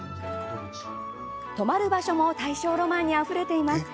泊まる場所も大正ロマンにあふれています。